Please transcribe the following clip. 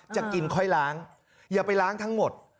จะกินค่อยล้างอย่าไปล้างทั้งหมด